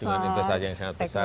dengan investasi yang sangat besar